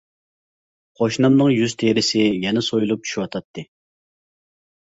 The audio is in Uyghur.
قوشنامنىڭ يۈز تېرىسى يەنە سويۇلۇپ چۈشۈۋاتاتتى.